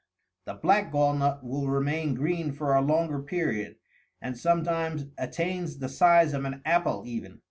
The black gall nut will remain green for a longer period, and sometimes attains the size of an apple65 even.